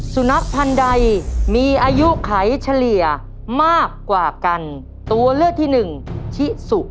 สุนัขพันธ์ใดมีอายุไขเฉลี่ยมากกว่ากันตัวเลือกที่หนึ่งชิสุ